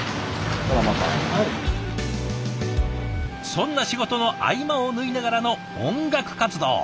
そんな仕事の合間を縫いながらの音楽活動。